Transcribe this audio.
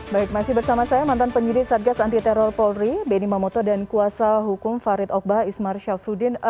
baik masih bersama saya mantan penyidik satgas anti teror polri benny mamoto dan kuasa hukum farid ogbah ismar syafruddin